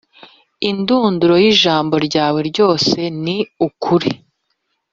Indunduro y ijambo ryawe ryose ni ukuri